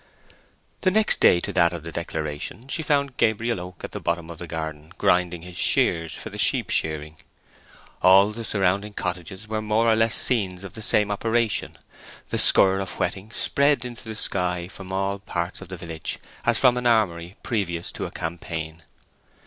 The next day to that of the declaration she found Gabriel Oak at the bottom of her garden, grinding his shears for the sheep shearing. All the surrounding cottages were more or less scenes of the same operation; the scurr of whetting spread into the sky from all parts of the village as from an armoury previous to a campaign.